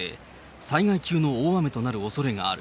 災害級の大雨となるおそれがある。